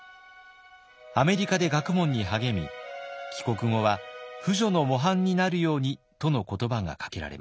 アメリカで学問に励み帰国後は婦女の模範になるようにとの言葉がかけられました。